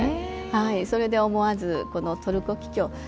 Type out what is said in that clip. それで思わず、トルコキキョウ。